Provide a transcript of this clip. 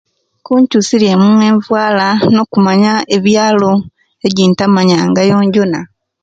Kikyusirye mu envala nokumanya ebyalo ejintamanya nga yonjona